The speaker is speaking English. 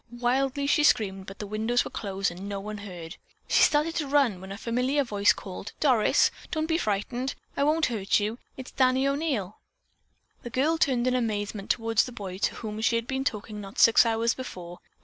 Wildly she screamed, but the windows were closed and no one heard. She started to run, when a familiar voice called, "Doris, don't be frightened. I won't hurt you. It's Danny O'Neil." The girl turned in amazement toward the boy to whom she had been talking not six hours before.